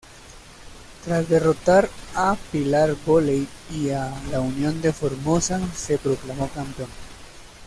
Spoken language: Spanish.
Tras derrotar a Pilar Vóley y a La Unión de Formosa se proclamó campeón.